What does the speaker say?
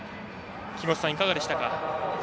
木越さん、いかがでしたか？